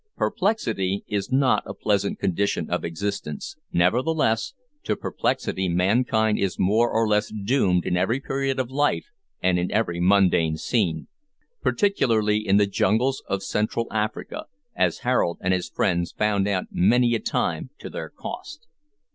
Perplexity is not a pleasant condition of existence, nevertheless, to perplexity mankind is more or less doomed in every period of life and in every mundane scene particularly in the jungles of central Africa, as Harold and his friends found out many a time to their cost.